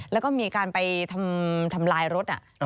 แล้วก็มีการไปทำลายรถ